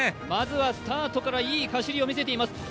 まずはスタートからいい走りを見せています。